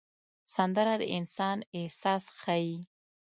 سندره د انسان احساس ښيي